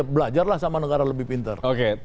belajarlah sama negara lebih pintar